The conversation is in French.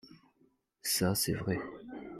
Ça, c’est vrai.